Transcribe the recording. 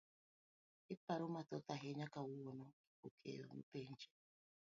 iparo mathoth ahinya kawuono, Kipokeo nopenje.